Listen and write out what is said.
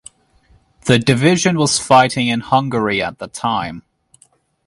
The division was fighting in Hungary at the time.